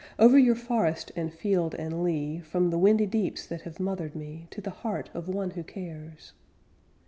Over your forest and field and lea, From the windy deeps that have mothered me, To the heart of one who cares.